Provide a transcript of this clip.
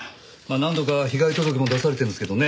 何度か被害届も出されてるんですけどね